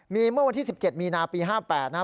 มีเมื่อวันที่๑๗มีนาปี๕๘นะครับ